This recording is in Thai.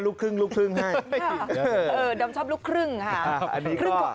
ลูกครึ่งลูกครึ่งให้เออดอมชอบลูกครึ่งค่ะ